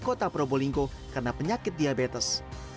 kota probolinggo karena penyakit diabetes